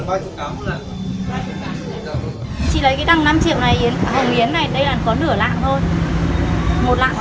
chị lấy cái đăng năm triệu này hồng yến này đây là có nửa lạng thôi